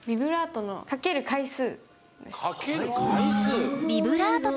かける回数！